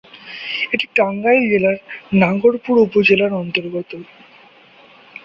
এটি টাঙ্গাইল জেলার নাগরপুর উপজেলার অন্তর্গত।